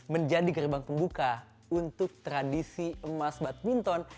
menjadi gerbang pembuka untuk tradisi emas badminton